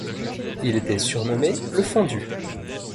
Il était surnommé Le Fondu.